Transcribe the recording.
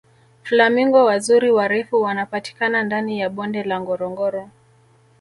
flamingo wazuri warefu wanapatikana ndani ya bonde la ngorongoro